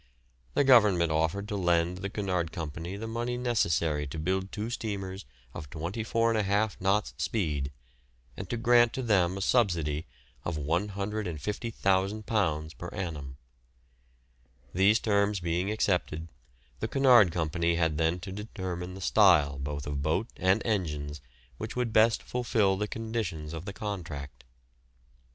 The Government offered to lend the Cunard Company the money necessary to build two steamers of 24½ knots speed, and to grant to them a subsidy of £150,000 per annum. These terms being accepted the Cunard Company had then to determine the style both of boat and engines which would best fulfil the conditions of the contract.